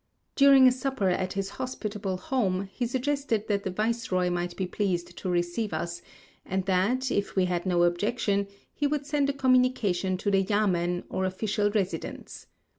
During a supper at his hospitable home, he suggested that the viceroy might be pleased to receive us, and that if we had no objection, he would send a communication to the yamen, or official residence.